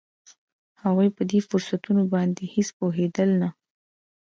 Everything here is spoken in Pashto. هغوی په دې فرصتونو باندې هېڅ پوهېدل نه